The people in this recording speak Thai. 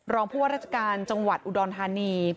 รองผู้ว่าราชการจังหวัดอุดรธานี